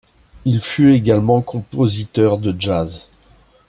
Il fut également compositeur de jazz.